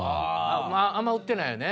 あんま売ってないよね。